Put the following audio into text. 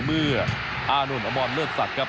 เมื่ออานุนอมรเลือดศักดิ์ครับ